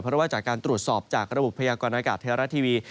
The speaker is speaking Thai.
เพราะว่าจากการตรวจสอบจากระบบพยากรณากาศไทยรัฐทีวี